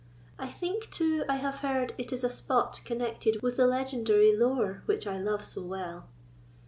I think, too, I have heard it is a spot connected with the legendary lore which I love so well."